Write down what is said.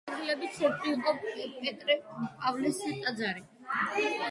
განხეთქილების ცენტრი იყო პეტრე-პავლეს ტაძარი.